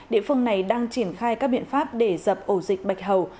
địa phương này đang triển khai các biện pháp để dập ổ dịch bạch hầu